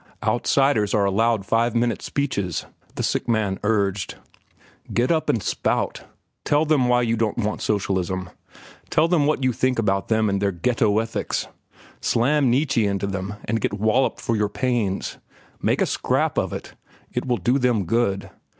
"Outsiders are allowed five minute speeches," the sick man urged. "Get up and spout. Tell them why you don't want socialism. Tell them what you think about them and their ghetto ethics. Slam Nietzsche into them and get walloped for your pains. Make a scrap of it. It will do them good.